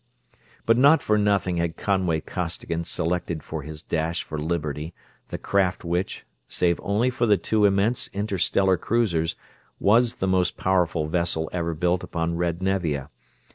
But not for nothing had Conway Costigan selected for his dash for liberty the craft which, save only for the two immense interstellar cruisers, was the most powerful vessel ever built upon red Nevia.